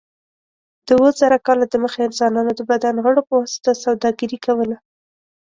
د اوه زره کاله دمخه انسانانو د بدن غړو په واسطه سوداګري کوله.